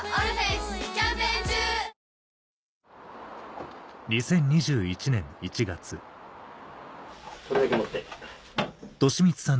これだけ持って。